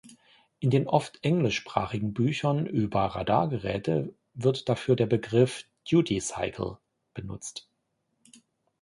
In den oft englischsprachigen Büchern über Radargeräte wird dafür der Begriff duty cycle benutzt.